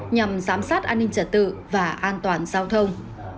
nhằm giám sát an ninh trật tự và an toàn giao thông